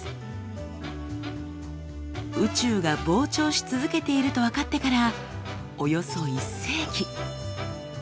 宇宙が膨張し続けていると分かってからおよそ１世紀。